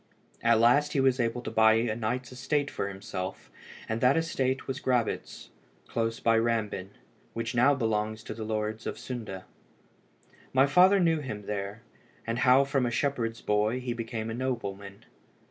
At last he was able to buy a knight's estate for himself, and that estate was Grabitz, close by Rambin, which now belongs to the Lords of Sunde. My father knew him there, and how from a shepherd's boy he became a nobleman.